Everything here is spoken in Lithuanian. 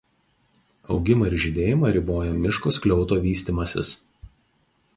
Augimą ir žydėjimą riboja miško skliauto vystymasis.